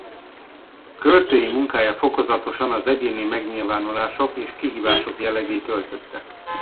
Költői munkája fokozatosan az egyéni megnyilvánulások és kihívások jellegét öltötte.